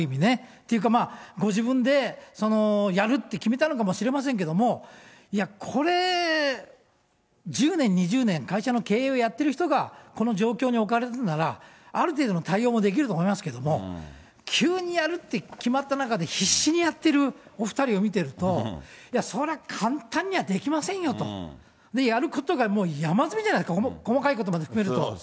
っていうか、まあ、ご自分でやるって決めたのかもしれませんけど、これ、１０年、２０年、会社の経営をやってる人が、この状況に置かれたなら、ある程度の対応もできると思いますけど、急にやるって決まった中で必死にやってるお２人を見てると、いや、それは簡単にはできませんよと、やることが山積みじゃないですか、細かいことまで含めると。